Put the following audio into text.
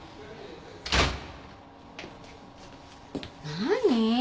何？